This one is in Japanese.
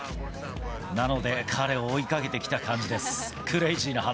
なので、彼を追いかけてきた感じです。